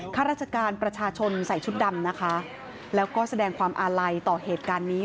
ข้าราชการประชาชนใส่ชุดดำนะคะแล้วก็แสดงความอาลัยต่อเหตุการณ์นี้